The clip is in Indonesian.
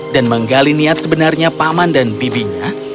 dan menggali niat sebenarnya paman dan bibinya